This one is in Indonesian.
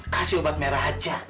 kasih obat merah aja